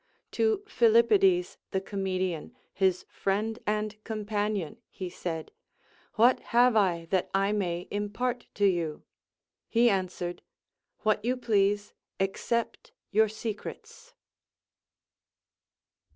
To Philip pides the comedian, his friend and companion, he said : AVhat have I that I may impart to you ? He answered, What you please, except your secrets.